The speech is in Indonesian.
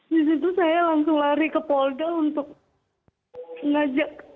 di situ saya langsung lari ke polda untuk ngajak